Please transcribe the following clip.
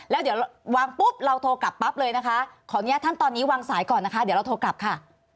แล้วเดี๋ยววางปุ๊บเราโทรกลับปั๊บเลยนะคะขออนุญาตท่านตอนนี้วางสายก่อนนะคะเดี๋ยวเราโทรกลับค่ะ